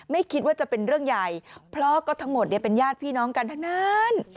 ไม่คิดว่าจะเป็นเรื่องใหญ่เพราะก็ทั้งหมดเนี่ยเป็นญาติพี่น้องกันทั้งนั้น